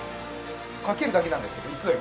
かけるだけなんですけどいくわよ。